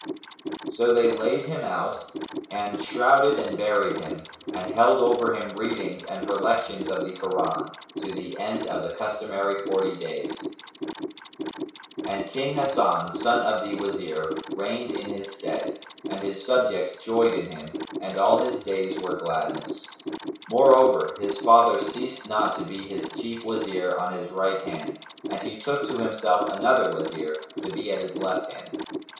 So they laid him out and shrouded and buried him and held over him readings and perlections of the Koran, to the end of the customary forty days. And King Hasan, son of the Wazir, reigned in his stead, and his subjects joyed in him and all his days were gladness; moreover, his father ceased not to be his chief Wazir on his right hand, and he took to himself another Wazir, to be at his left hand.